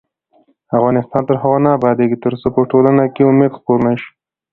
افغانستان تر هغو نه ابادیږي، ترڅو په ټولنه کې امید خپور نشي.